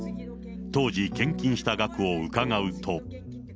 当時、献金した額を伺うと。